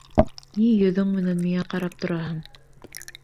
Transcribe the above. Ни йөҙөң менән миңә ҡарап тораһың?